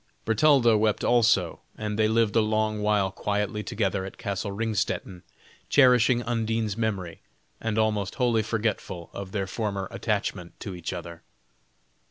Bertalda wept also, and they lived a long while quietly together at Castle Ringstetten, cherishing Undine's memory, and almost wholly forgetful of their former attachment to each other.